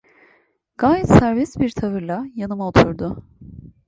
Gayet serbest bir tavırla yanıma oturdu.